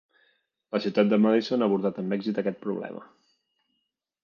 La ciutat de Madison ha abordat amb èxit aquest problema.